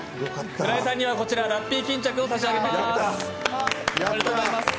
浦井さんにはラッピー巾着を差し上げます。